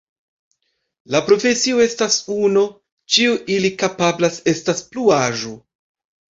La profesio estas uno, ĉio ili kapablas estas pluaĵo.